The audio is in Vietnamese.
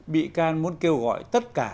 bị can muốn kêu gọi tất cả